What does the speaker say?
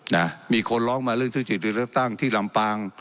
นะมีคนร้องมาเรื่องธุรกิจหรือเลือกตั้งที่ลำปาง